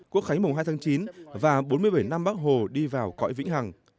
quốc khái mồng hai tháng chín và bốn mươi bảy năm bác hồ đi vào cõi vĩnh hằng